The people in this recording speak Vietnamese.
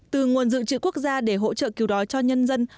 từ nguồn dự trữ quốc gia để hỗ trợ cứu đói cho nhân dân